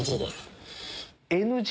ＮＧ？